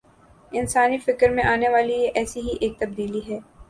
انسانی فکر میں آنے والی یہ ایسی ہی ایک تبدیلی ہے۔